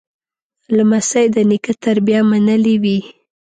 لمسی د نیکه تربیه منلې وي.